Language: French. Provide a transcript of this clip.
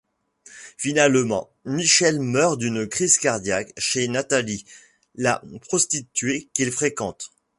Finalement, Michel meurt d'une crise cardiaque chez Nathalie, la prostituée qu'il fréquente.